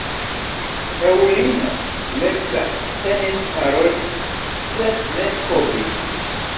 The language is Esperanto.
Fraŭlino Leggat penis paroli, sed ne povis.